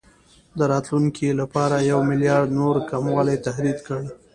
د راتلونکي کال لپاره یې یو میلیارډ نور کموالي تهدید کړ.